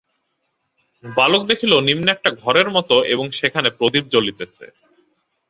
বালক দেখিল নিম্নে একটা ঘরের মতো এবং সেখানে প্রদীপ জ্বলিতেছে।